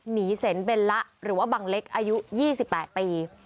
หนีเสนเบลละหรือว่าบังเล็กอายุ๒๘ปี